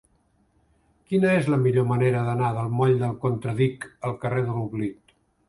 Quina és la millor manera d'anar del moll del Contradic al carrer de l'Oblit?